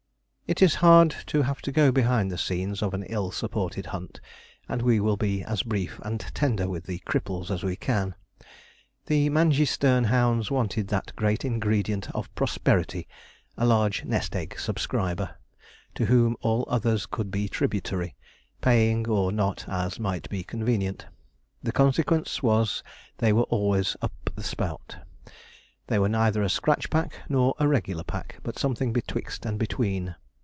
It is hard to have to go behind the scenes of an ill supported hunt, and we will be as brief and tender with the cripples as we can. The Mangeysterne hounds wanted that great ingredient of prosperity, a large nest egg subscriber, to whom all others could be tributary paying or not as might be convenient. The consequence was they were always up the spout. They were neither a scratch pack nor a regular pack, but something betwixt and between.